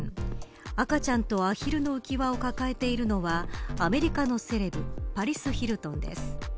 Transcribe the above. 赤ちゃんとアヒルの浮輪を抱えているのはアメリカのセレブパリス・ヒルトンです。